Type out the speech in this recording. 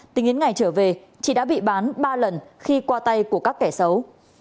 tình yến ngày trở về chị đã bị bán ba lần khi qua tay của các kẻ xấu